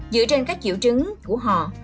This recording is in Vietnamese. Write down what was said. dựa trên các triệu chứng của họ